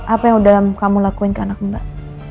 apa yang udah kamu lakuin ke anak mbak